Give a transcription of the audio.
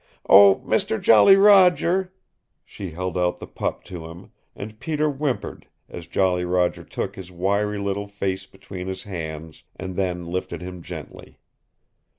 Oh, Mister Jolly Roger " She held out the pup to him, and Peter whimpered as Jolly Roger took his wiry little face between his hands, and then lifted him gently.